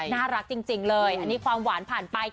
น่ารักจริงเลยอันนี้ความหวานผ่านไป